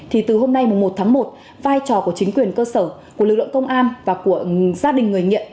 thì từ hôm nay một tháng một vai trò của chính quyền cơ sở của lực lượng công an và của gia đình người nghiện